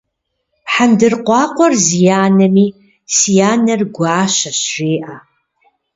Хьэндыркъуакъуэр зи анэми, си анэр гуащэщ жеӏэ.